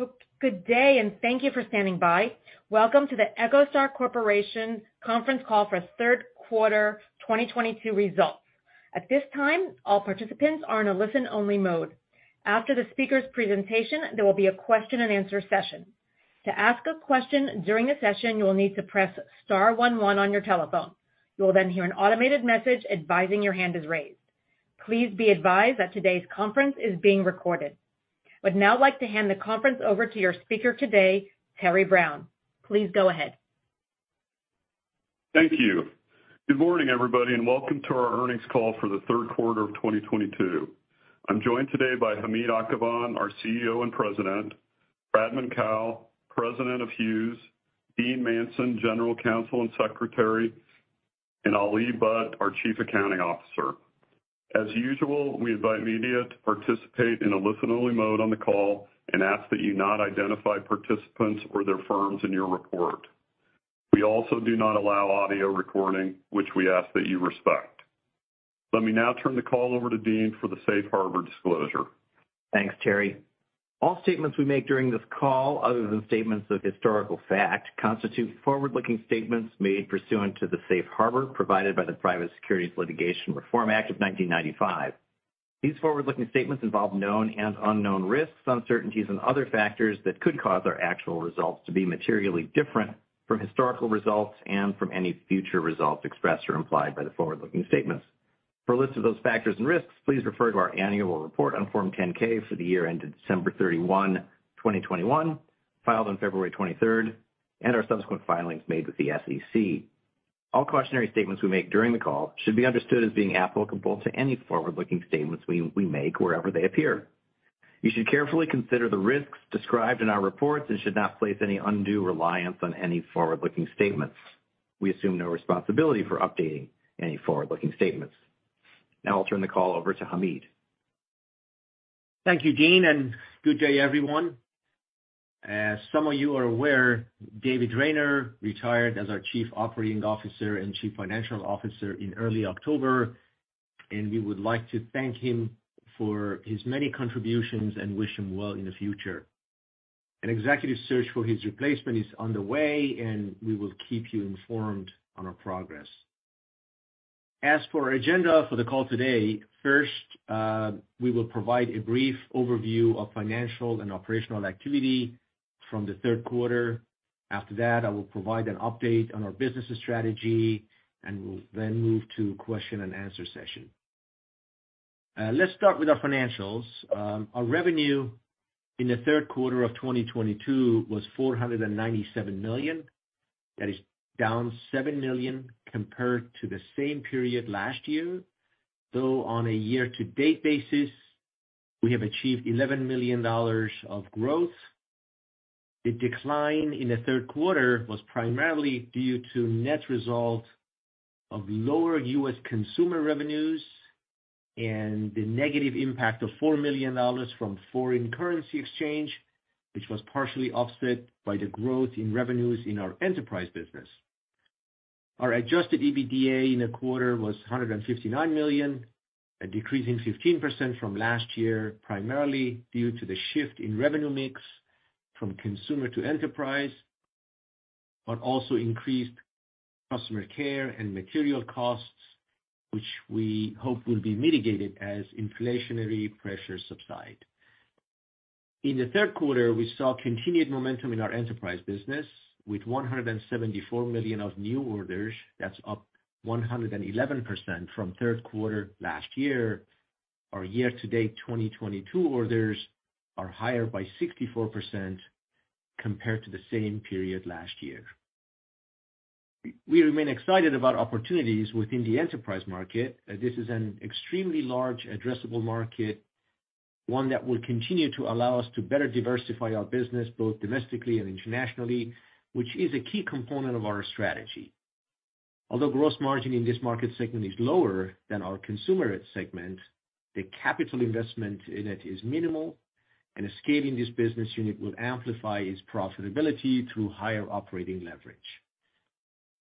Oh, good day, and thank you for standing by. Welcome to the EchoStar Corporation conference call for third quarter 2022 results. At this time, all participants are in a listen-only mode. After the speaker's presentation, there will be a question-and-answer session. To ask a question during the session, you will need to press star one one on your telephone. You will then hear an automated message advising your hand is raised. Please be advised that today's conference is being recorded. I would now like to hand the conference over to your speaker today, Terry Brown. Please go ahead. Thank you. Good morning, everybody, and welcome to our earnings call for the third quarter of 2022. I'm joined today by Hamid Akhavan, our CEO and President, Pradman Kaul, President of Hughes, Dean Manson, General Counsel and Secretary, and Muhammad Ali Butt, our Chief Accounting Officer. As usual, we invite media to participate in a listen-only mode on the call and ask that you not identify participants or their firms in your report. We also do not allow audio recording, which we ask that you respect. Let me now turn the call over to Dean for the Safe Harbor disclosure. Thanks, Terry. All statements we make during this call, other than statements of historical fact, constitute forward-looking statements made pursuant to the safe harbor provided by the Private Securities Litigation Reform Act of 1995. These forward-looking statements involve known and unknown risks, uncertainties, and other factors that could cause our actual results to be materially different from historical results and from any future results expressed or implied by the forward-looking statements. For a list of those factors and risks, please refer to our annual report on Form 10-K for the year ended December 31, 2021, filed on February 23, and our subsequent filings made with the SEC. All cautionary statements we make during the call should be understood as being applicable to any forward-looking statements we make wherever they appear. You should carefully consider the risks described in our reports and should not place any undue reliance on any forward-looking statements. We assume no responsibility for updating any forward-looking statements. Now I'll turn the call over to Hamid. Thank you, Dean, and good day, everyone. As some of you are aware, David Rayner retired as our chief operating officer and chief financial officer in early October, and we would like to thank him for his many contributions and wish him well in the future. An executive search for his replacement is underway, and we will keep you informed on our progress. As for our agenda for the call today, first, we will provide a brief overview of financial and operational activity from the third quarter. After that, I will provide an update on our business strategy, and we'll then move to question-and-answer session. Let's start with our financials. Our revenue in the third quarter of 2022 was $497 million. That is down $7 million compared to the same period last year. Though on a year-to-date basis, we have achieved $11 million of growth. The decline in the third quarter was primarily due to net result of lower U.S. consumer revenues and the negative impact of $4 million from foreign currency exchange, which was partially offset by the growth in revenues in our enterprise business. Our adjusted EBITDA in the quarter was $159 million, a decrease of 15% from last year, primarily due to the shift in revenue mix from consumer to enterprise, but also increased customer care and material costs, which we hope will be mitigated as inflationary pressures subside. In the third quarter, we saw continued momentum in our enterprise business with $174 million of new orders. That's up 111% from third quarter last year. Our year-to-date 2022 orders are higher by 64% compared to the same period last year. We remain excited about opportunities within the enterprise market. This is an extremely large addressable market, one that will continue to allow us to better diversify our business, both domestically and internationally, which is a key component of our strategy. Although gross margin in this market segment is lower than our consumer segment, the capital investment in it is minimal, and scaling this business unit will amplify its profitability through higher operating leverage.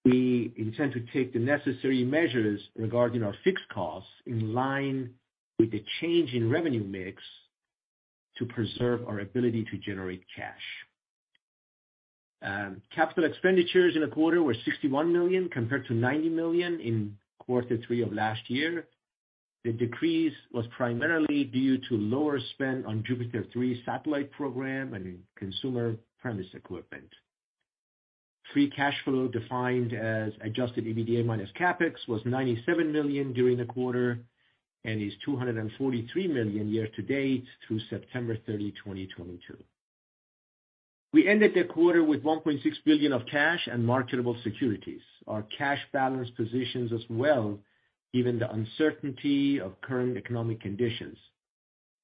We intend to take the necessary measures regarding our fixed costs in line with the change in revenue mix to preserve our ability to generate cash. Capital expenditures in the quarter were $61 million, compared to $90 million in quarter three of last year. The decrease was primarily due to lower spend on JUPITER 3 satellite program and consumer premise equipment. Free cash flow, defined as adjusted EBITDA minus CapEx, was $97 million during the quarter and is $243 million year to date through September 30, 2022. We ended the quarter with $1.6 billion of cash and marketable securities. Our cash balance positions us well, given the uncertainty of current economic conditions.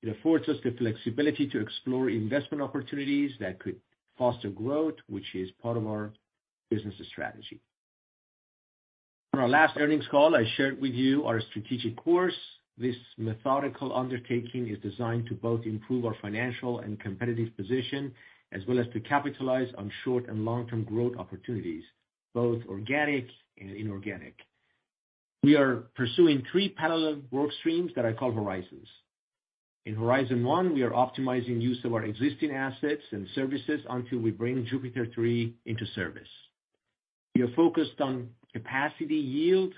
It affords us the flexibility to explore investment opportunities that could foster growth, which is part of our business strategy. For our last earnings call, I shared with you our strategic course. This methodical undertaking is designed to both improve our financial and competitive position, as well as to capitalize on short- and long-term growth opportunities, both organic and inorganic. We are pursuing three parallel work streams that I call Horizons. In Horizon one, we are optimizing use of our existing assets and services until we bring JUPITER 3 into service. We are focused on capacity yield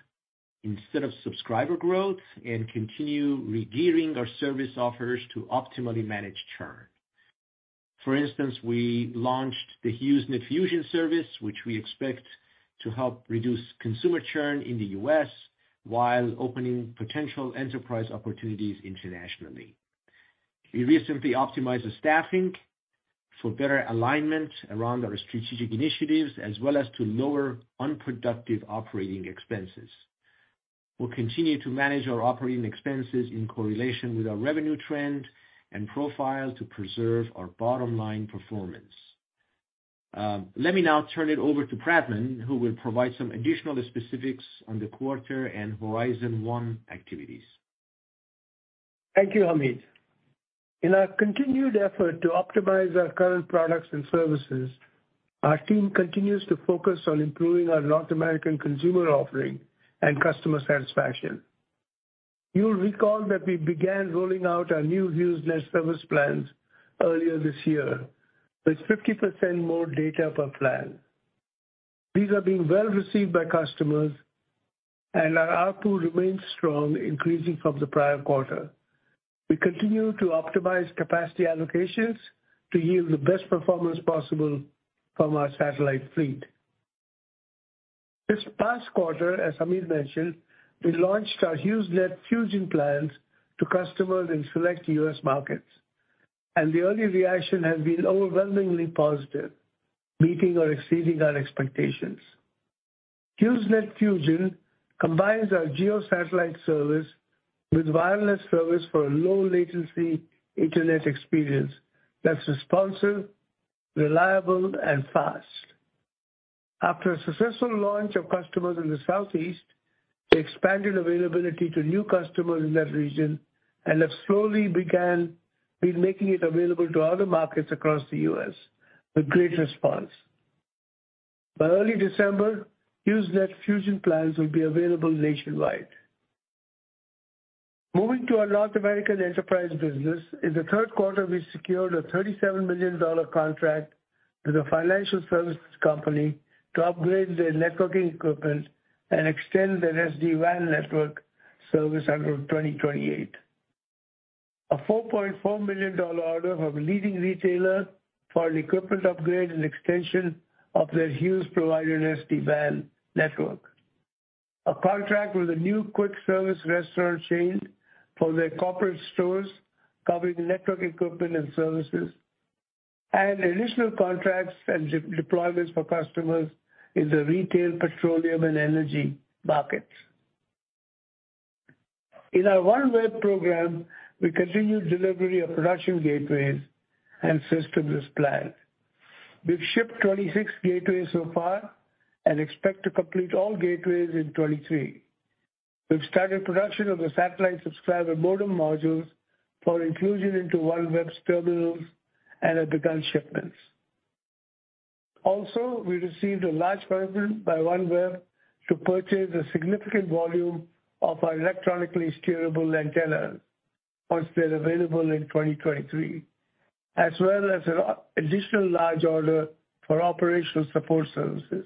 instead of subscriber growth and continue regearing our service offers to optimally manage churn. For instance, we launched the HughesNet Fusion service, which we expect to help reduce consumer churn in the U.S. while opening potential enterprise opportunities internationally. We recently optimized the staffing for better alignment around our strategic initiatives as well as to lower unproductive operating expenses. We'll continue to manage our operating expenses in correlation with our revenue trend and profile to preserve our bottom-line performance. Let me now turn it over to Pradman, who will provide some additional specifics on the quarter and Horizon one activities. Thank you, Hamid. In our continued effort to optimize our current products and services, our team continues to focus on improving our North American consumer offering and customer satisfaction. You'll recall that we began rolling out our new HughesNet service plans earlier this year, with 50% more data per plan. These are being well received by customers, and our ARPU remains strong, increasing from the prior quarter. We continue to optimize capacity allocations to yield the best performance possible from our satellite fleet. This past quarter, as Hamid mentioned, we launched our HughesNet Fusion plans to customers in select U.S. markets, and the early reaction has been overwhelmingly positive, meeting or exceeding our expectations. HughesNet Fusion combines our GEO satellite service with wireless service for a low-latency internet experience that's responsive, reliable, and fast. After a successful launch of customers in the Southeast, we expanded availability to new customers in that region and have slowly began with making it available to other markets across the U.S. with great response. By early December, HughesNet Fusion plans will be available nationwide. Moving to our North American enterprise business. In the third quarter, we secured a $37 million contract with a financial services company to upgrade their networking equipment and extend their SD-WAN network service until 2028. A $4.4 million order from a leading retailer for an equipment upgrade and extension of their Hughes-provided SD-WAN network. A contract with a new quick-service restaurant chain for their corporate stores covering network equipment and services, and additional contracts and deployments for customers in the retail, petroleum, and energy markets. In our OneWeb program, we continued delivery of production gateways and systems as planned. We've shipped 26 gateways so far and expect to complete all gateways in 2023. We've started production of the satellite subscriber modem modules for inclusion into OneWeb's terminals and have begun shipments. Also, we received a large purchase by OneWeb to purchase a significant volume of our electronically steerable antennas once they're available in 2023, as well as an additional large order for operational support services.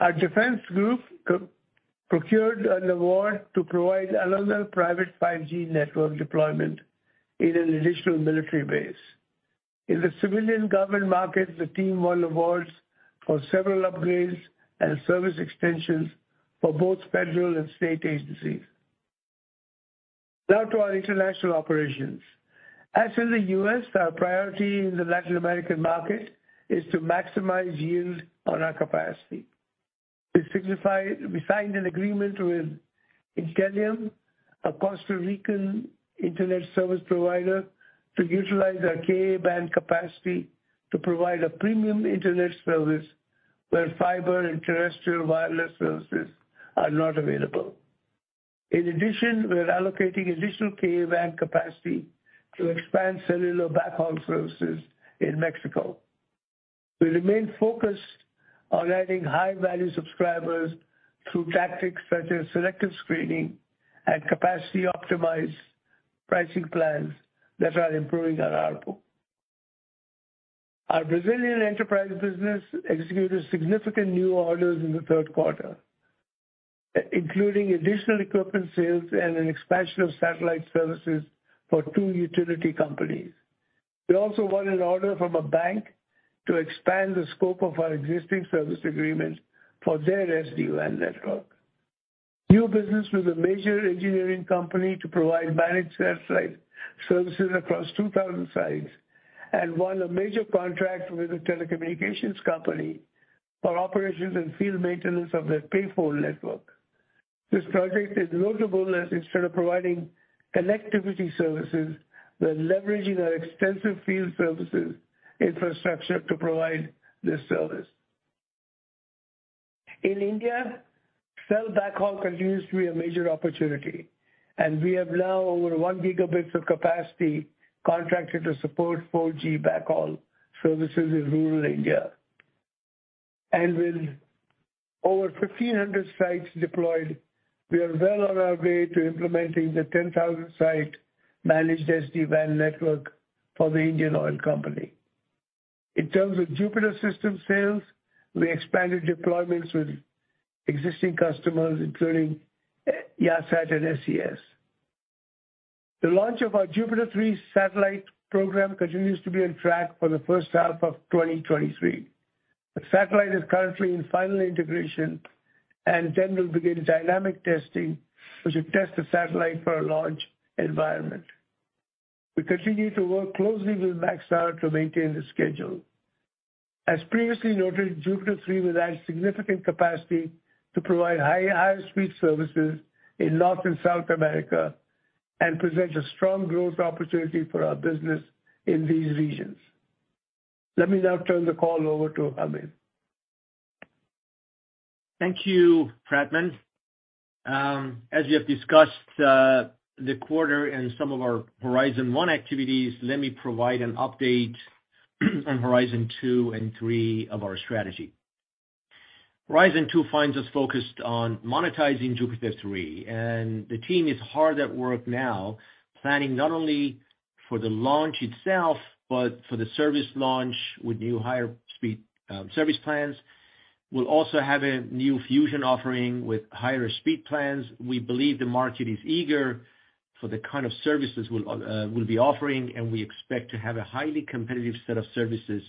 Our defense group procured an award to provide another private 5G network deployment in an additional military base. In the civilian government market, the team won awards for several upgrades and service extensions for both federal and state agencies. Now to our international operations. As in the U.S., our priority in the Latin American market is to maximize yield on our capacity. We signed an agreement with Itellum, a Costa Rican internet service provider, to utilize our Ka-band capacity to provide a premium internet service where fiber and terrestrial wireless services are not available. In addition, we're allocating additional Ka-band capacity to expand cellular backhaul services in Mexico. We remain focused on adding high-value subscribers through tactics such as selective screening and capacity-optimized pricing plans that are improving our ARPU. Our Brazilian enterprise business executed significant new orders in the third quarter, including additional equipment sales and an expansion of satellite services for two utility companies. We also won an order from a bank to expand the scope of our existing service agreement for their SD-WAN network. New business with a major engineering company to provide managed satellite services across 2,000 sites, and won a major contract with a telecommunications company for operations and field maintenance of their payphone network. This project is notable as instead of providing connectivity services, we're leveraging our extensive field services infrastructure to provide this service. In India, cell backhaul continues to be a major opportunity. We have now over 1 Gb of capacity contracted to support 4G backhaul services in rural India. With over 1,500 sites deployed, we are well on our way to implementing the 10,000-site managed SD-WAN network for the Indian Oil Corporation. In terms of JUPITER System sales, we expanded deployments with existing customers, including Yahsat and SES. The launch of our JUPITER 3 satellite program continues to be on track for the first half of 2023. The satellite is currently in final integration and then will begin dynamic testing as we test the satellite for a launch environment. We continue to work closely with Maxar to maintain the schedule. As previously noted, JUPITER 3 will add significant capacity to provide higher speed services in North and South America and presents a strong growth opportunity for our business in these regions. Let me now turn the call over to Hamid. Thank you, Pradman. As you have discussed, the quarter and some of our Horizon one activities, let me provide an update on Horizon two and three of our strategy. Horizon two finds us focused on monetizing JUPITER 3, and the team is hard at work now planning not only for the launch itself, but for the service launch with new higher speed service plans. We'll also have a new Fusion offering with higher speed plans. We believe the market is eager for the kind of services we'll be offering, and we expect to have a highly competitive set of services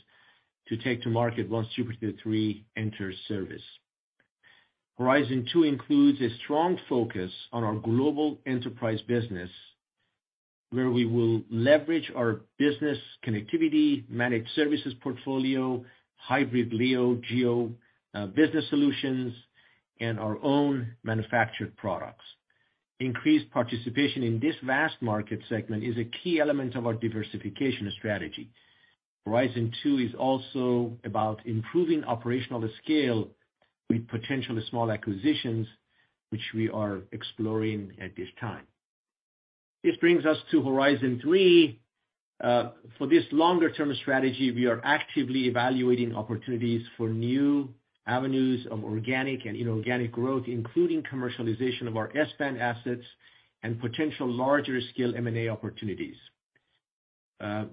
to take to market once JUPITER 3 enters service. Horizon two includes a strong focus on our global enterprise business, where we will leverage our business connectivity, managed services portfolio, hybrid LEO/GEO business solutions, and our own manufactured products. Increased participation in this vast market segment is a key element of our diversification strategy. Horizon two is also about improving operational scale with potentially small acquisitions, which we are exploring at this time. This brings us to Horizon three. For this longer term strategy, we are actively evaluating opportunities for new avenues of organic and inorganic growth, including commercialization of our S-band assets and potential larger scale M&A opportunities.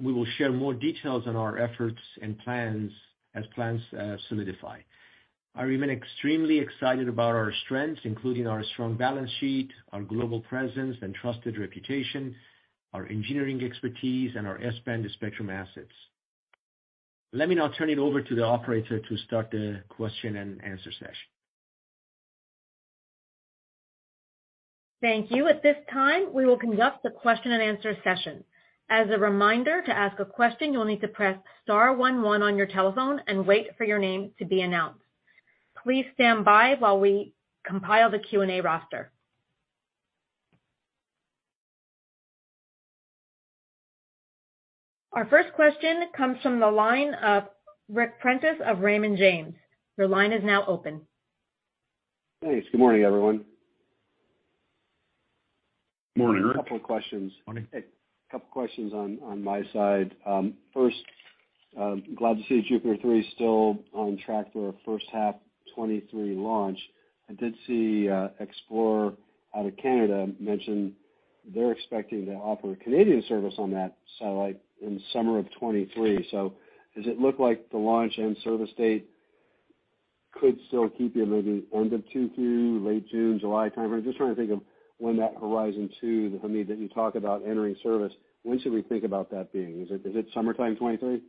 We will share more details on our efforts and plans as plans solidify. I remain extremely excited about our strengths, including our strong balance sheet, our global presence and trusted reputation, our engineering expertise, and our S-band spectrum assets. Let me now turn it over to the operator to start the question and answer session. Thank you. At this time, we will conduct the question and answer session. As a reminder, to ask a question, you'll need to press star one one on your telephone and wait for your name to be announced. Please stand by while we compile the Q&A roster. Our first question comes from the line of Ric Prentiss of Raymond James. Your line is now open. Thanks. Good morning, everyone. Morning, Ric. A couple of questions. Morning. A couple of questions on my side. First, glad to see JUPITER 3 is still on track for a first half 2023 launch. I did see Xplore out of Canada mention they're expecting to offer Canadian service on that satellite in summer of 2023. Does it look like the launch and service date could still keep to maybe end of Q2, late June, July timeframe? I'm just trying to think of when that Horizon two, Hamid, that you talk about entering service, when should we think about that being? Is it summertime 2023?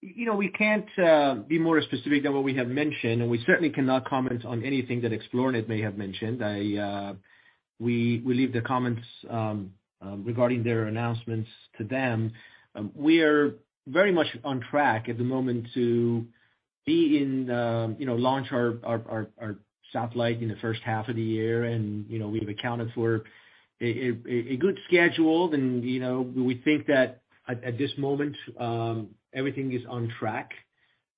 You know, we can't be more specific than what we have mentioned, and we certainly cannot comment on anything that Xplornet may have mentioned. We leave the comments regarding their announcements to them. We are very much on track at the moment to launch our satellite in the first half of the year. You know, we have accounted for a good schedule. You know, we think that at this moment everything is on track.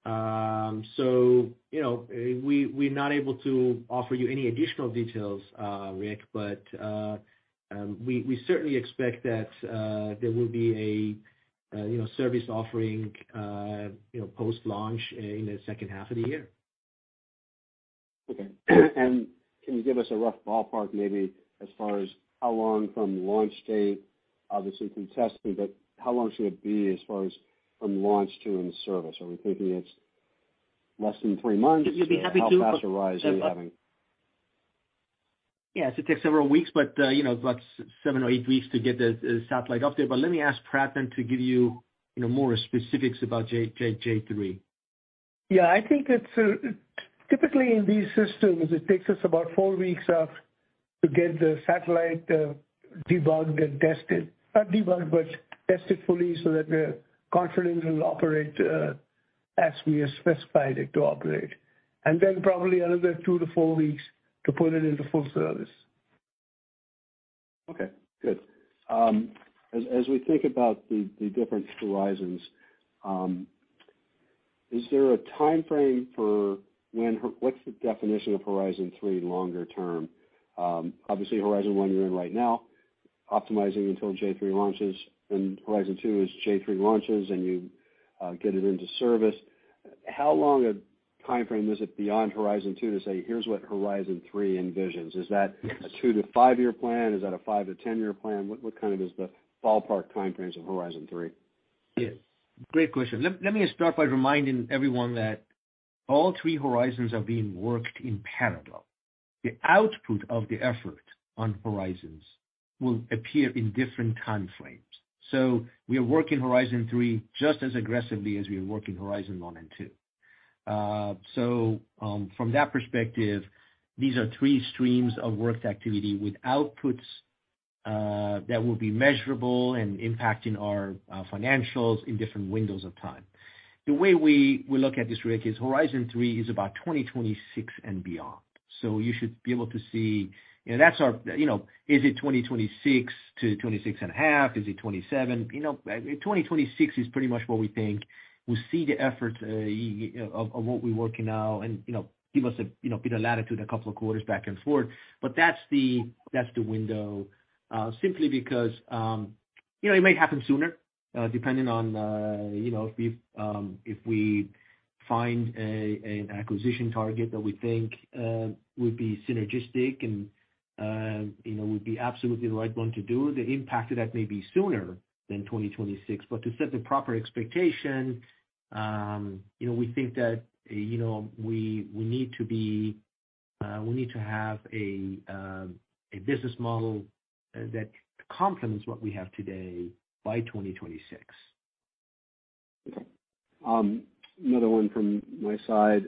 You know, we're not able to offer you any additional details, Ric, but we certainly expect that there will be a service offering post-launch in the second half of the year. Okay. Can you give us a rough ballpark, maybe as far as how long from launch date, obviously through testing, but how long should it be as far as from launch to in service? Are we thinking it's less than three months? You'd be happy to. How fast a rise are you having? Yeah. It takes several weeks, but you know, about seven or eight weeks to get the satellite up there. Let me ask Pradman to give you know, more specifics about JUPITER 3. Yeah. I think it's typically in these systems. It takes us about 4 weeks to get the satellite debugged and tested. Not debugged, but tested fully so that we're confident it'll operate as we have specified it to operate. Probably another two to four weeks to put it into full service. Okay, good. As we think about the different Horizons, is there a timeframe for when what's the definition of Horizon three longer term? Obviously Horizon one you're in right now, optimizing until J3 launches, and Horizon two is J3 launches, and you get it into service. How long a timeframe is it beyond Horizon two to say, "Here's what Horizon three envisions"? Is that a two to five-year plan? Is that a five to 10-year plan? What kind of is the ballpark timeframes of Horizon three? Yeah. Great question. Let me start by reminding everyone that all three Horizons are being worked in parallel. The output of the effort on Horizons will appear in different timeframes. We are working Horizon three just as aggressively as we are working Horizon one and two. From that perspective, these are three streams of work activity with outputs that will be measurable and impacting our financials in different windows of time. The way we look at this, Ric, is Horizon three is about 2026 and beyond. You should be able to see. You know, that's our, you know, is it 2026 to 2026.5? Is it 2027? You know, 2026 is pretty much what we think. We see the effort of what we're working now and, you know, give us a, you know, bit of latitude a couple of quarters back and forth. That's the window simply because, you know, it may happen sooner depending on, you know, if we find an acquisition target that we think would be synergistic and, you know, would be absolutely the right one to do. The impact of that may be sooner than 2026. To set the proper expectation, you know, we think that, you know, we need to have a business model that complements what we have today by 2026. Okay. Another one from my side.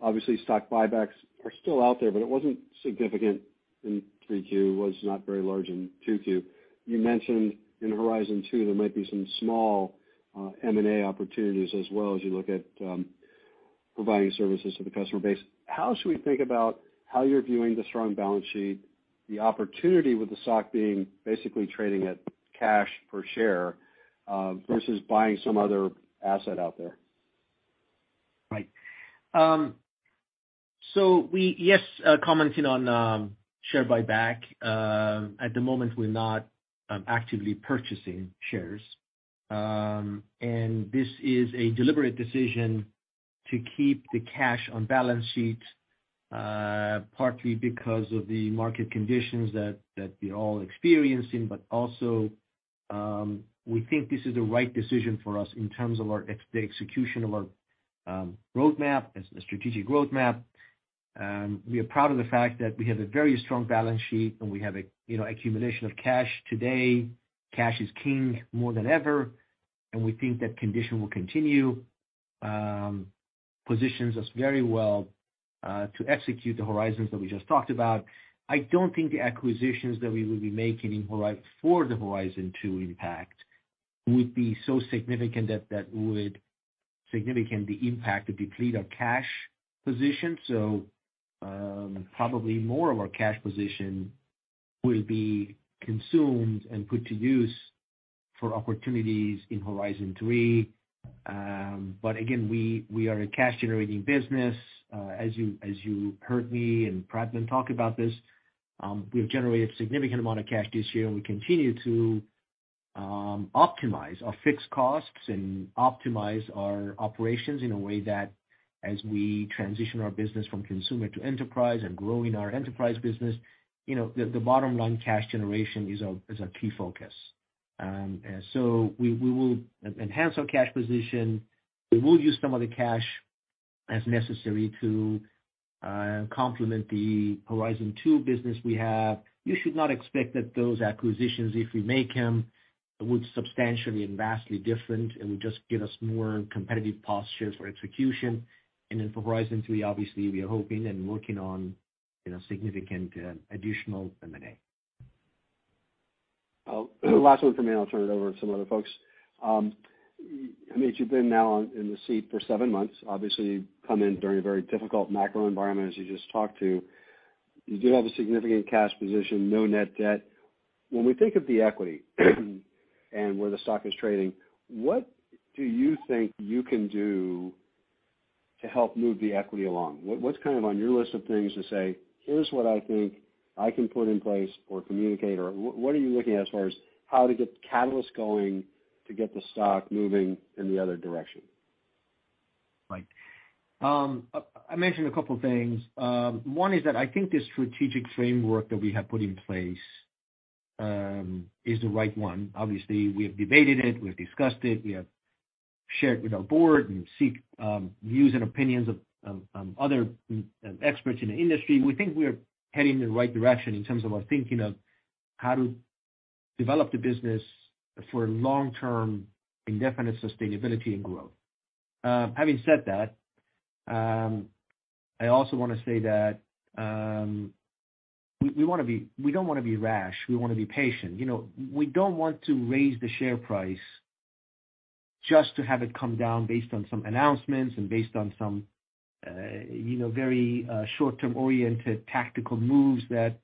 Obviously stock buybacks are still out there, but it wasn't significant in 3Q. Was not very large in 2Q. You mentioned in Horizon two there might be some small M&A opportunities as well as you look at providing services to the customer base. How should we think about how you're viewing the strong balance sheet, the opportunity with the stock being basically trading at cash per share versus buying some other asset out there? Commenting on share buyback. At the moment we're not actively purchasing shares. This is a deliberate decision to keep the cash on balance sheet, partly because of the market conditions that we're all experiencing, but also, we think this is the right decision for us in terms of the execution of our roadmap, as a strategic roadmap. We are proud of the fact that we have a very strong balance sheet and we have a, you know, accumulation of cash today. Cash is king more than ever, and we think that condition will continue. Positions us very well to execute the Horizons that we just talked about. I don't think the acquisitions that we will be making in Horizon for the Horizon two impact would be so significant that that would significantly impact or deplete our cash position. Probably more of our cash position will be consumed and put to use for opportunities in Horizon three. Again, we are a cash-generating business. As you heard me and Pradman talk about this, we've generated a significant amount of cash this year, and we continue to optimize our fixed costs and optimize our operations in a way that as we transition our business from consumer to enterprise and growing our enterprise business, you know, the bottom line cash generation is a key focus. We will enhance our cash position. We will use some of the cash as necessary to complement the Horizon two business we have. You should not expect that those acquisitions, if we make them, would substantially and vastly different. It would just give us more competitive posture for execution. For Horizon three, obviously, we are hoping and working on, you know, significant additional M&A. Last one from me, and I'll turn it over to some other folks. Hamid, you've been now in the seat for seven months. Obviously, you've come in during a very difficult macro environment, as you just talked about. You do have a significant cash position, no net debt. When we think of the equity and where the stock is trading, what do you think you can do to help move the equity along? What, what's kind of on your list of things to say, "Here's what I think I can put in place or communicate," or what are you looking at as far as how to get the catalyst going to get the stock moving in the other direction? Right. I mentioned a couple things. One is that I think the strategic framework that we have put in place is the right one. Obviously, we have debated it, we've discussed it, we have shared with our board and sought views and opinions of other experts in the industry. We think we're heading in the right direction in terms of our thinking of how to develop the business for long-term indefinite sustainability and growth. Having said that, I also wanna say that we don't wanna be rash, we wanna be patient. You know, we don't want to raise the share price just to have it come down based on some announcements and based on some, you know, very short-term oriented tactical moves that, you know,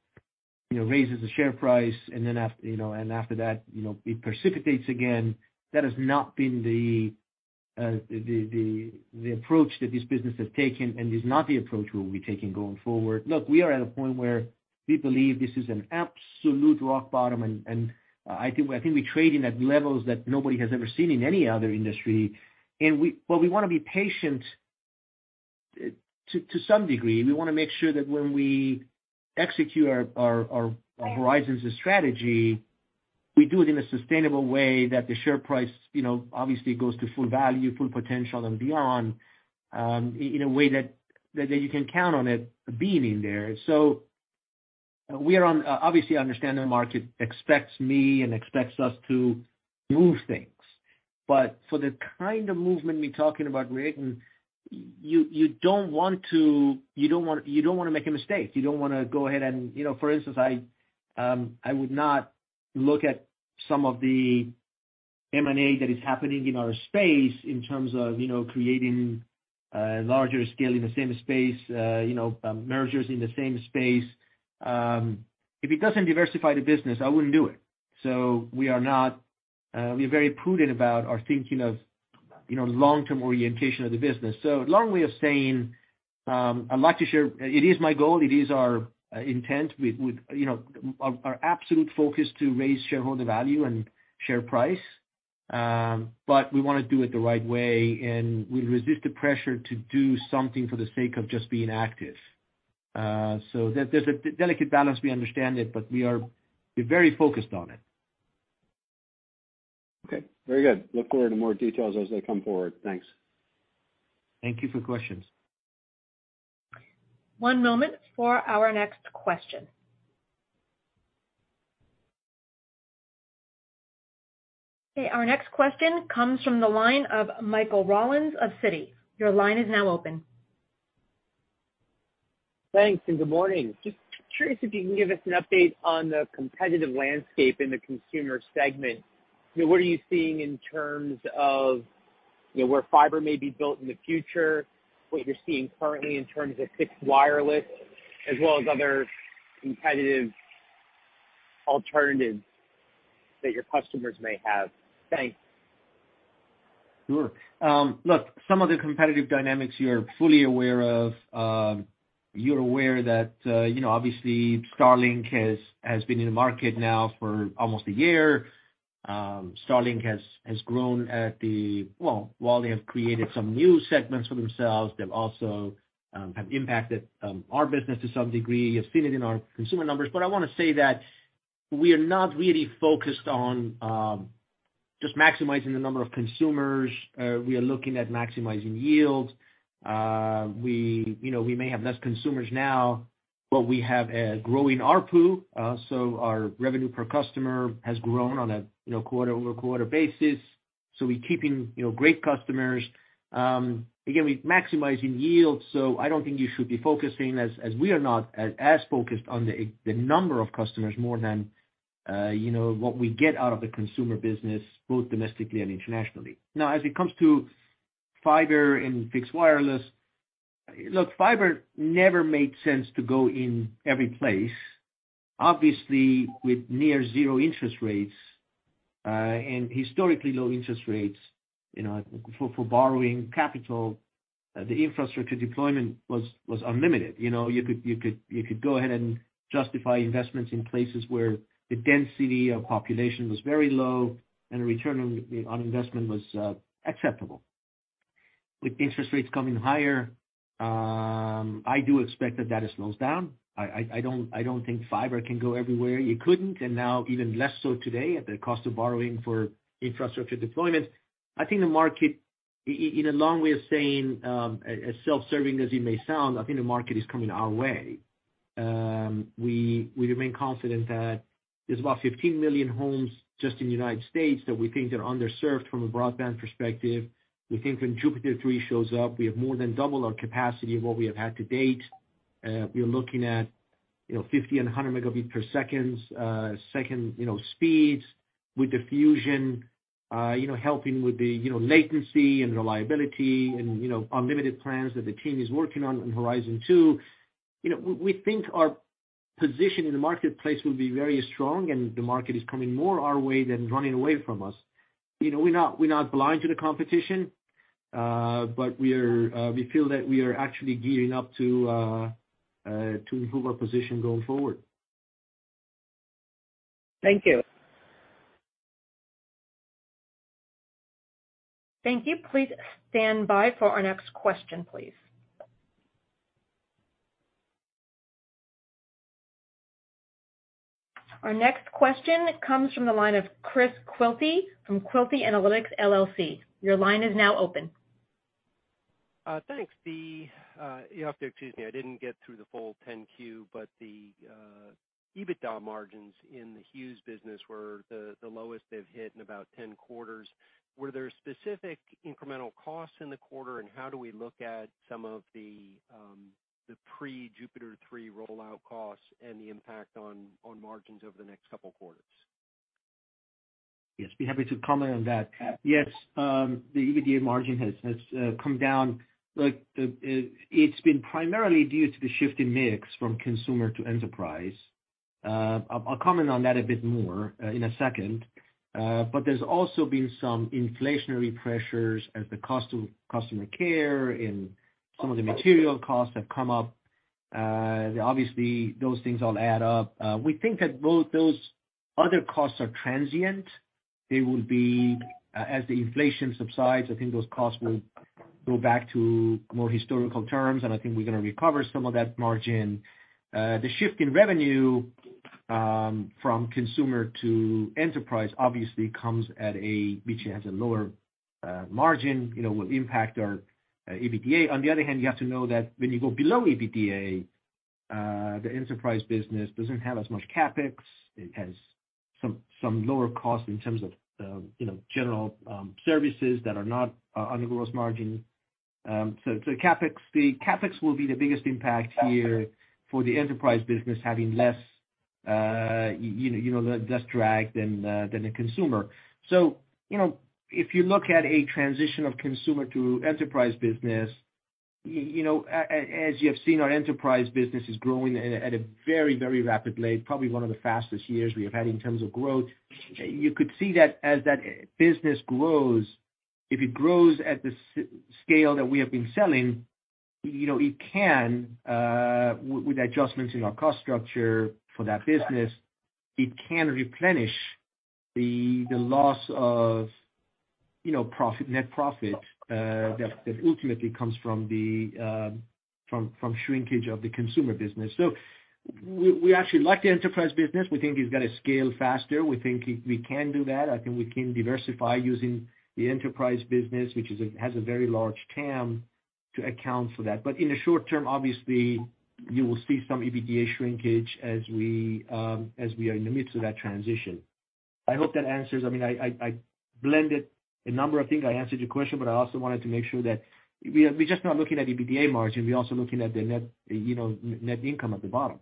raises the share price and then, you know, and after that, you know, it precipitates again. That has not been the approach that this business has taken and is not the approach we'll be taking going forward. Look, we are at a point where we believe this is an absolute rock bottom, and I think we're trading at levels that nobody has ever seen in any other industry. We wanna be patient to some degree. We wanna make sure that when we execute our Horizons strategy, we do it in a sustainable way that the share price, you know, obviously goes to full value, full potential and beyond, in a way that you can count on it being in there. Obviously, I understand the market expects me and expects us to move things. For the kind of movement we're talking about creating, you don't wanna make a mistake. You don't wanna go ahead and you know, for instance, I would not look at some of the M&A that is happening in our space in terms of, you know, creating larger scale in the same space, you know, mergers in the same space. If it doesn't diversify the business, I wouldn't do it. We are very prudent about our thinking of, you know, long-term orientation of the business. Long way of saying, I'd like to share, it is my goal, it is our intent with, you know, our absolute focus to raise shareholder value and share price. But we wanna do it the right way, and we resist the pressure to do something for the sake of just being active. There's a delicate balance, we understand it, but we're very focused on it. Okay. Very good. Look forward to more details as they come forward. Thanks. Thank you for questions. One moment for our next question. Okay, our next question comes from the line of Michael Rollins of Citi. Your line is now open. Thanks and good morning. Just curious if you can give us an update on the competitive landscape in the consumer segment. You know, what are you seeing in terms of, you know, where fiber may be built in the future, what you're seeing currently in terms of fixed wireless, as well as other competitive alternatives that your customers may have. Thanks. Sure. Look, some of the competitive dynamics you're fully aware of. You're aware that, you know, obviously Starlink has been in the market now for almost a year. Starlink has grown. Well, while they have created some new segments for themselves, they've also impacted our business to some degree. You've seen it in our consumer numbers. I wanna say that we are not really focused on just maximizing the number of consumers. We are looking at maximizing yield. We, you know, may have less consumers now, but we have a growing ARPU. Our revenue per customer has grown on a, you know, quarter-over-quarter basis. We're keeping, you know, great customers. Again, we're maximizing yield, so I don't think you should be focusing as we are not as focused on the number of customers more than you know what we get out of the consumer business, both domestically and internationally. Now, as it comes to fiber and fixed wireless. Look, fiber never made sense to go in every place. Obviously, with near zero interest rates and historically low interest rates, you know, for borrowing capital, the infrastructure deployment was unlimited. You know, you could go ahead and justify investments in places where the density of population was very low and the return on the investment was acceptable. With interest rates coming higher, I do expect that it slows down. I don't think fiber can go everywhere. It couldn't, and now even less so today at the cost of borrowing for infrastructure deployment. I think the market is in a long way of saying, as self-serving as it may sound, I think the market is coming our way. We remain confident that there's about 15 million homes just in the United States that we think are underserved from a broadband perspective. We think when JUPITER 3 shows up, we have more than double our capacity of what we have had to date. We are looking at, you know, 50 Mbps and 100 Mbps speeds with Fusion, you know, helping with the latency and reliability and, you know, unlimited plans that the team is working on in Horizon two. You know, we think our position in the marketplace will be very strong and the market is coming more our way than running away from us. You know, we're not blind to the competition, but we feel that we are actually gearing up to improve our position going forward. Thank you. Thank you. Please stand by for our next question, please. Our next question comes from the line of Chris Quilty from Quilty Analytics LLC. Your line is now open. Thanks. You have to excuse me, I didn't get through the full 10-Q, but the EBITDA margins in the Hughes business were the lowest they've hit in about 10 quarters. Were there specific incremental costs in the quarter, and how do we look at some of the pre-JUPITER 3 rollout costs and the impact on margins over the next couple quarters? Yes, be happy to comment on that. Yes, the EBITDA margin has come down. Like, it's been primarily due to the shift in mix from consumer to enterprise. I'll comment on that a bit more in a second. There's also been some inflationary pressures as the cost of customer care and some of the material costs have come up. Obviously those things all add up. We think that both those other costs are transient. They will be as the inflation subsides, I think those costs will go back to more historical terms, and I think we're gonna recover some of that margin. The shift in revenue from consumer to enterprise obviously comes at a, which has a lower margin, you know, will impact our EBITDA. On the other hand, you have to know that when you go below EBITDA, the enterprise business doesn't have as much CapEx. It has some lower costs in terms of you know general services that are not on the gross margin. So CapEx, the CapEx will be the biggest impact here for the enterprise business having less you know less drag than the consumer. You know, if you look at a transition of consumer to enterprise business, you know, as you have seen our enterprise business is growing at a very rapid rate, probably one of the fastest years we have had in terms of growth. You could see that as that business grows, if it grows at the scale that we have been selling, you know, it can, with adjustments in our cost structure for that business, it can replenish the loss of, you know, profit, net profit, that ultimately comes from the from shrinkage of the consumer business. We actually like the enterprise business. We think it's gonna scale faster. We think we can do that. I think we can diversify using the enterprise business, which has a very large TAM to account for that. In the short term, obviously you will see some EBITDA shrinkage as we are in the midst of that transition. I hope that answers. I mean, I blended a number of things. I answered your question, but I also wanted to make sure that we're just not looking at EBITDA margin, we're also looking at the net, you know, net income at the bottom.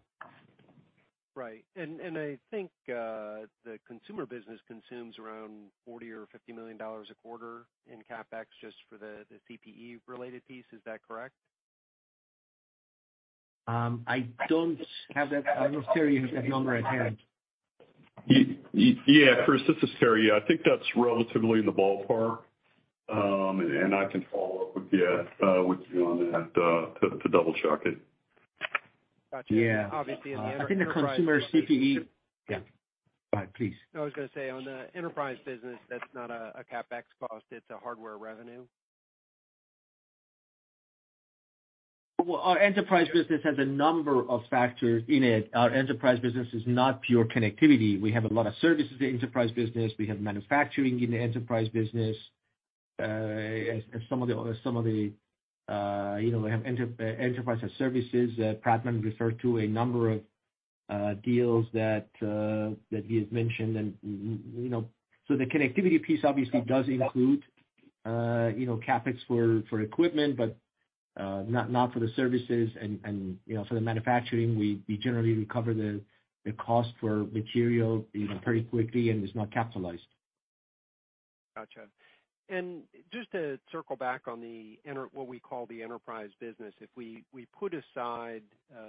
Right. I think the consumer business consumes around $40 million or $50 million a quarter in CapEx just for the CPE-related piece. Is that correct? I don't have that. I'm not sure you have that number at hand. Yeah. Chris, this is Terry. I think that's relatively in the ballpark. I can follow up with you on that to double-check it. Gotcha. Yeah. Obviously on the enterprise. I think the consumer CPE. Yeah. Go ahead, please. I was gonna say, on the enterprise business, that's not a CapEx cost, it's a hardware revenue. Well, our enterprise business has a number of factors in it. Our enterprise business is not pure connectivity. We have a lot of services in enterprise business. We have manufacturing in the enterprise business. As some of the, you know, we have enterprise as services. Pradman referred to a number of deals that he has mentioned. You know, so the connectivity piece obviously does include, you know, CapEx for equipment, but not for the services and, you know, for the manufacturing, we generally recover the cost for material, you know, pretty quickly, and it's not capitalized. Gotcha. Just to circle back on what we call the enterprise business. If we put aside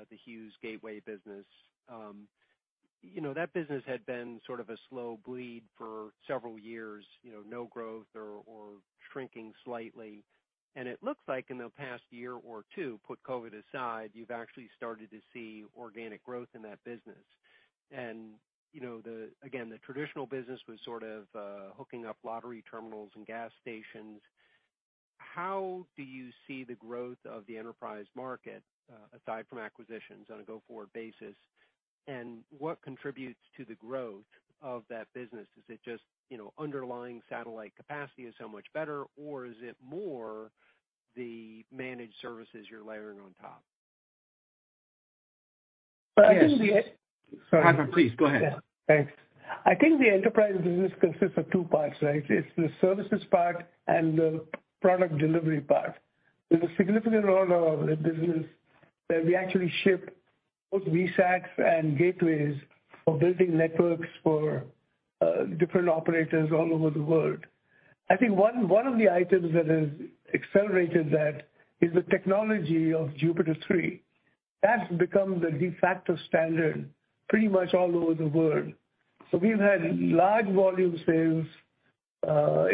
the Hughes gateway business, you know, that business had been sort of a slow bleed for several years, you know, no growth or shrinking slightly. It looks like in the past year or two, put COVID aside, you've actually started to see organic growth in that business. You know, again, the traditional business was sort of hooking up lottery terminals and gas stations. How do you see the growth of the enterprise market aside from acquisitions on a go-forward basis, and what contributes to the growth of that business? Is it just, you know, underlying satellite capacity is so much better, or is it more the managed services you're layering on top? I think the. Yes. Sorry. Pradman, please go ahead. Yeah, thanks. I think the enterprise business consists of two parts, right? It's the services part and the product delivery part. There's a significant amount of the business that we actually ship both VSATs and gateways for building networks for different operators all over the world. I think one of the items that has accelerated that is the technology of Jupiter 3. That's become the de facto standard pretty much all over the world. So we've had large volume sales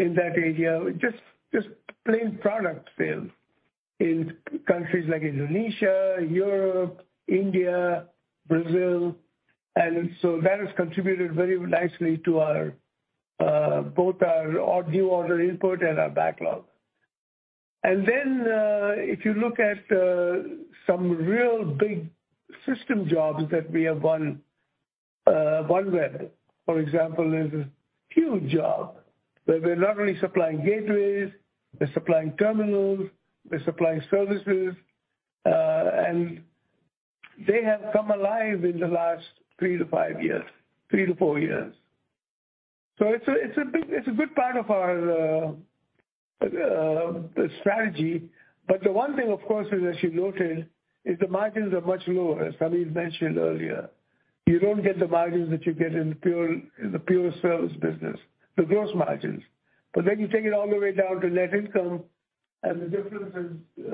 in that area, just plain product sales in countries like Indonesia, Europe, India, Brazil. That has contributed very nicely to both our new order input and our backlog. If you look at some real big system jobs that we have won, OneWeb, for example, is a huge job where we're not only supplying gateways, we're supplying terminals, we're supplying services, and they have come alive in the last three to five years, three to four years. It's a good part of our strategy. The one thing, of course, as you noted, is the margins are much lower, as Hamid mentioned earlier. You don't get the margins that you get in pure in the pure service business, the gross margins. Then you take it all the way down to net income, and the difference is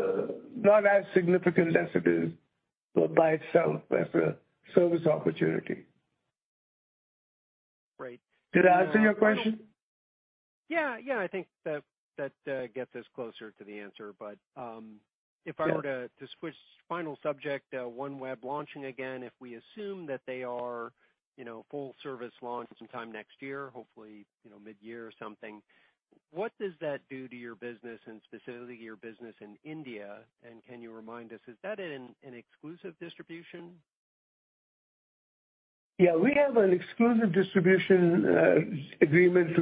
not as significant as it is by itself as a service opportunity. Right. Did I answer your question? Yeah. Yeah, I think that gets us closer to the answer. If I were to switch final subject, OneWeb launching again. If we assume that they are, you know, full-service launch sometime next year, hopefully, you know, mid-year or something, what does that do to your business and specifically your business in India? And can you remind us, is that an exclusive distribution? Yeah. We have an exclusive distribution agreement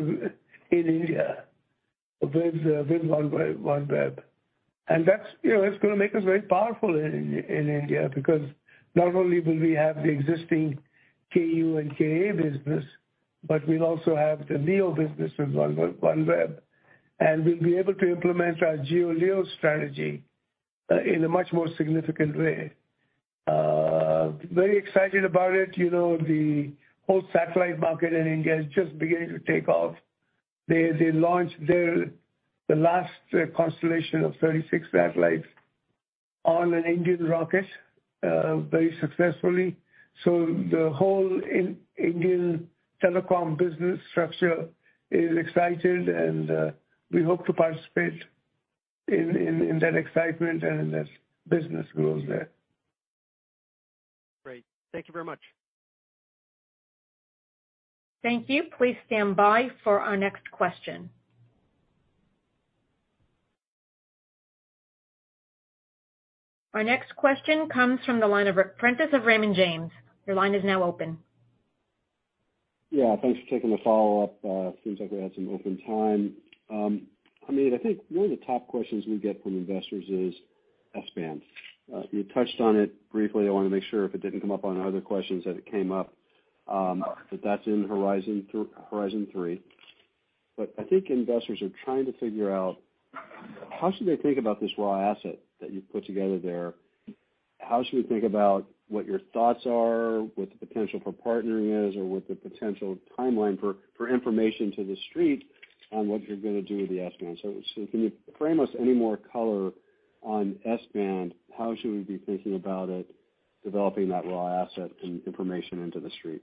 in India with OneWeb. That's, you know, it's gonna make us very powerful in India, because not only will we have the existing KU and KA business, but we'll also have the LEO business with OneWeb. We'll be able to implement our GEO-LEO strategy in a much more significant way. Very excited about it. You know, the whole satellite market in India is just beginning to take off. They launched the last constellation of 36 satellites on an Indian rocket very successfully. The whole Indian telecom business structure is excited, and we hope to participate in that excitement and in this business growth there. Great. Thank you very much. Thank you. Please stand by for our next question. Our next question comes from the line of Ric Prentiss of Raymond James. Your line is now open. Yeah, thanks for taking the follow-up. Seems like we had some open time. I mean, I think one of the top questions we get from investors is S-band. You touched on it briefly. I wanna make sure if it didn't come up on other questions, that it came up, that that's in Horizon three. But I think investors are trying to figure out how should they think about this raw asset that you've put together there? How should we think about what your thoughts are, what the potential for partnering is, or what the potential timeline for information to the street on what you're gonna do with the S-band? Can you frame us any more color on S-band? How should we be thinking about it, developing that raw asset and information into the street?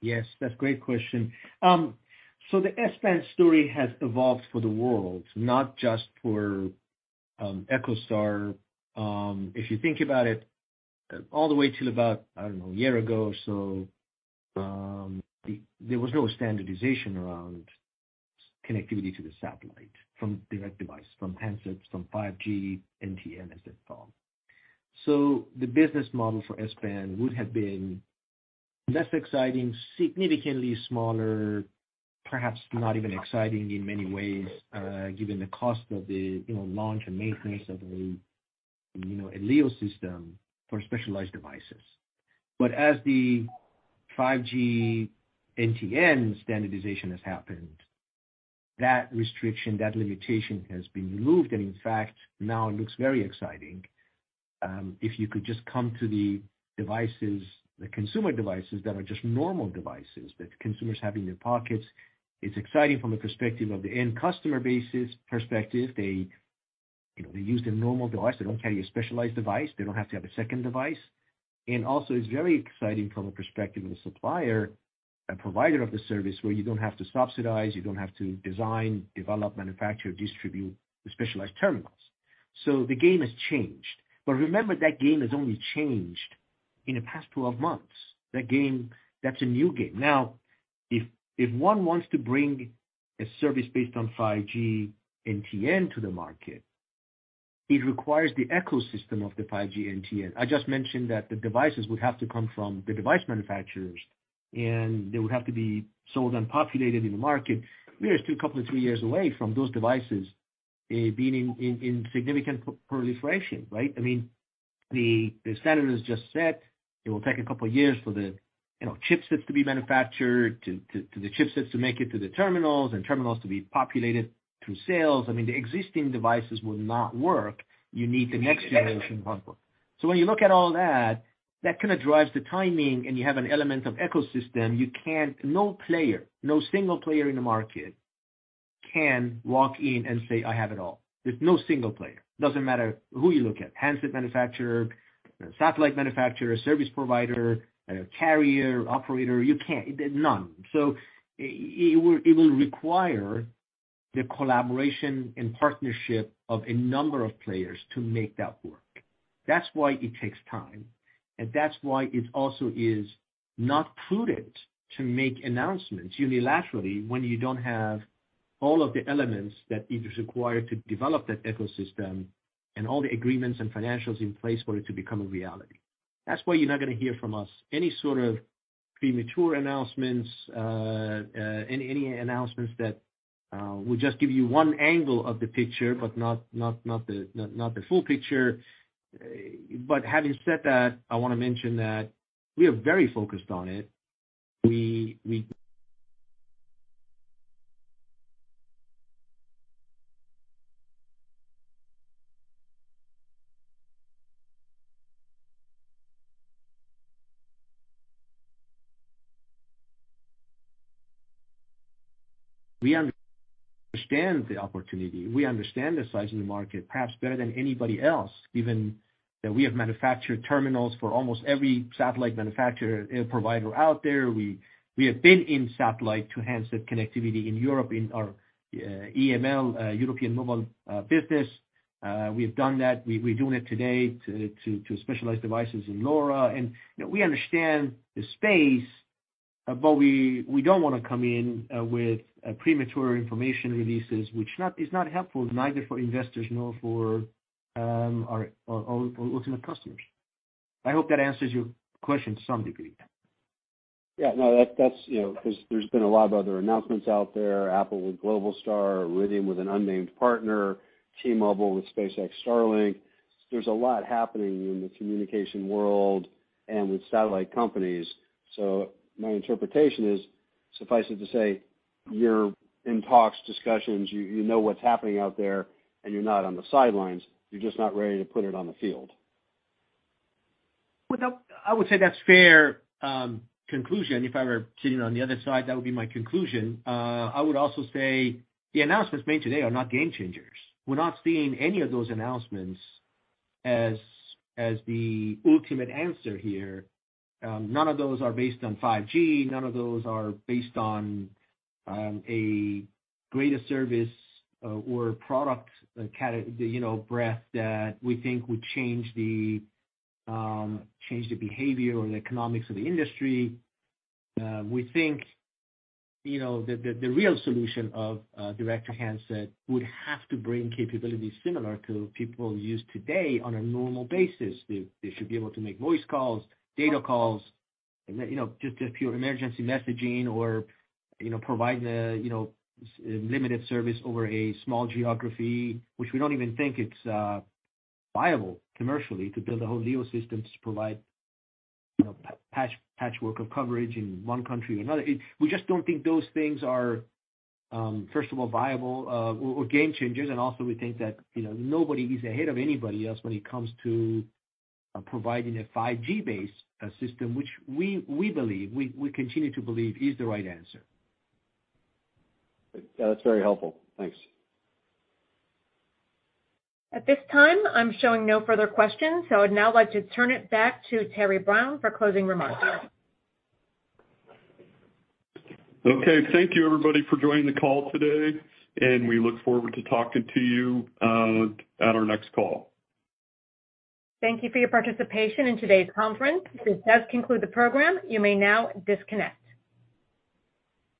Yes, that's a great question. The S-band story has evolved for the world, not just for EchoStar. If you think about it, all the way till about, I don't know, a year ago or so, there was no standardization around connectivity to the satellite from direct-to-device, from handsets, from 5G NTN as it's called. The business model for S-band would have been less exciting, significantly smaller, perhaps not even exciting in many ways, given the cost of the, you know, launch and maintenance of a, you know, a LEO system for specialized devices. As the 5G NTN standardization has happened, that restriction, that limitation has been removed. In fact, now it looks very exciting. If you could just come to the devices, the consumer devices that are just normal devices that consumers have in their pockets, it's exciting from the perspective of the end customer base perspective. They, you know, they use their normal device. They don't carry a specialized device. They don't have to have a second device. Also, it's very exciting from a perspective of the supplier and provider of the service, where you don't have to subsidize, you don't have to design, develop, manufacture, distribute the specialized terminals. The game has changed. Remember, that game has only changed in the past 12 months. That game, that's a new game. Now, if one wants to bring a service based on 5G NTN to the market, it requires the ecosystem of the 5G NTN. I just mentioned that the devices would have to come from the device manufacturers, and they would have to be sold and populated in the market. We are still a couple of three years away from those devices being in significant proliferation, right? I mean, the standard is just set. It will take a couple of years for the, you know, chipsets to be manufactured, to the chipsets to make it to the terminals and terminals to be populated through sales. I mean, the existing devices will not work. You need the next generation hardware. When you look at all that kinda drives the timing, and you have an element of ecosystem. No player, no single player in the market can walk in and say, "I have it all." There's no single player. Doesn't matter who you look at, handset manufacturer, satellite manufacturer, service provider, carrier, operator. You can't. None. It will require the collaboration and partnership of a number of players to make that work. That's why it takes time, and that's why it also is not prudent to make announcements unilaterally when you don't have all of the elements that is required to develop that ecosystem and all the agreements and financials in place for it to become a reality. That's why you're not gonna hear from us any sort of premature announcements, any announcements that will just give you one angle of the picture, but not the full picture. Having said that, I wanna mention that we are very focused on it. We understand the opportunity. We understand the size of the market perhaps better than anybody else, given that we have manufactured terminals for almost every satellite manufacturer and provider out there. We have been in satellite to handset connectivity in Europe, in our EML, European Mobile Business. We've done that. We're doing it today to specialize devices in LoRa. You know, we understand the space, but we don't wanna come in with premature information releases, which is not helpful neither for investors nor for our ultimate customers. I hope that answers your question to some degree. Yeah, no, that's you know 'cause there's been a lot of other announcements out there. Apple with Globalstar, Iridium with an unnamed partner, T-Mobile with SpaceX Starlink. There's a lot happening in the communication world and with satellite companies. My interpretation is, suffice it to say, you're in talks, discussions, you know what's happening out there and you're not on the sidelines. You're just not ready to put it on the field. Well, no, I would say that's fair conclusion. If I were sitting on the other side, that would be my conclusion. I would also say the announcements made today are not game changers. We're not seeing any of those announcements as the ultimate answer here. None of those are based on 5G. None of those are based on a greater service or product breadth that we think would change the behavior or the economics of the industry. We think, you know, the real solution of direct to handset would have to bring capabilities similar to what people use today on a normal basis. They should be able to make voice calls, data calls, and, you know, just a pure emergency messaging or, you know, provide limited service over a small geography, which we don't even think it's viable commercially to build a whole new ecosystem to provide, you know, patchwork of coverage in one country or another. We just don't think those things are, first of all viable, or game changers. Also, we think that, you know, nobody is ahead of anybody else when it comes to providing a 5G based system, which we believe we continue to believe is the right answer. That's very helpful. Thanks. At this time, I'm showing no further questions, so I'd now like to turn it back to Terry Brown for closing remarks. Okay, thank you everybody for joining the call today, and we look forward to talking to you at our next call. Thank you for your participation in today's conference. This does conclude the program. You may now disconnect.